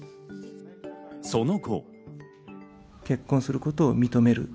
その後。